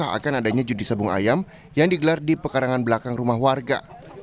akan adanya judi sabung ayam yang digelar di pekarangan belakang rumah warga